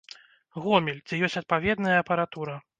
Гомель, дзе ёсць адпаведная апаратура.